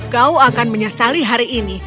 kau akan menyesali hari ini